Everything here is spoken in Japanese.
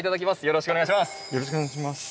よろしくお願いします。